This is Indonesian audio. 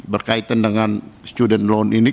berkaitan dengan student loan ini